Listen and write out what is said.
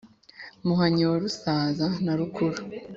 muhanyi wa rusaza na rukuru